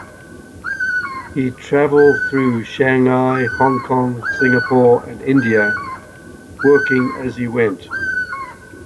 He travelled through Shanghai, Hong Kong, Singapore, and India, working as he went.